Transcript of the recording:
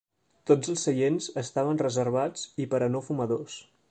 Tots els seients estaven reservats i per a no fumadors.